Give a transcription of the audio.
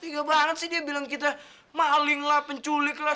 tiga banget sih dia bilang kita maling lah penculik lah